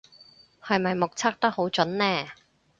係咪目測得好準呢